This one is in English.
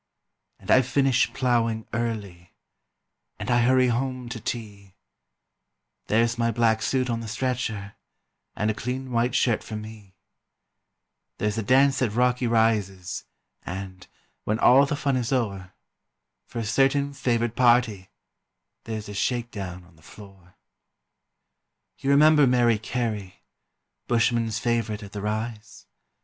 And I finish ploughing early, And I hurry home to tea There's my black suit on the stretcher, And a clean white shirt for me; There's a dance at Rocky Rises, And, when all the fun is o'er, For a certain favoured party There's a shake down on the floor. You remember Mary Carey, Bushmen's favourite at the Rise?